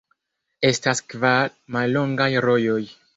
Estas kvar mallongaj rojoj.